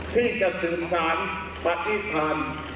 ที่จะสื่นสารปฏิษฐาน